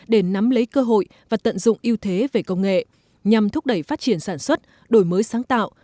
để nắm lấy cơ hội và tận dụng ưu thế về công nghệ nhằm thúc đẩy phát triển sản xuất đổi mới sáng tạo